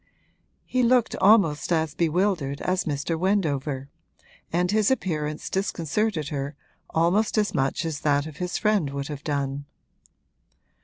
He looked almost as bewildered as Mr. Wendover, and his appearance disconcerted her almost as much as that of his friend would have done.